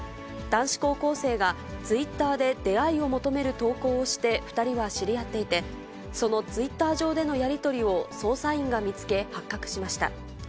男子高校生がツイッターで出会いを求める投稿をして、２人は知り合っていて、そのツイッター上でのやり取りを捜査員が見つけ、発覚しました。